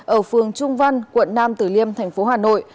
ở phường trung văn quận nam tử liêm tp hà nội